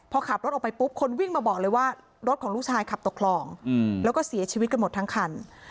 พอขับรถออกไปปุ๊บคนวิ่งมาบอกเลยว่ารถของลูกชายขับตกคลองแล้วก็เสียชีวิตกันหมดทั้งคัน